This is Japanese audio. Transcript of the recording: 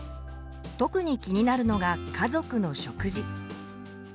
特に気になるのが家族の食事。